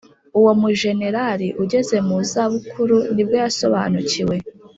uwo mujenerali ugeze mu zabukuru nibwo yasobanukiwe.